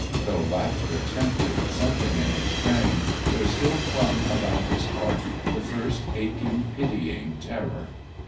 Though laughter tempted something in his brain, there still clung about his heart the first aching, pitying terror.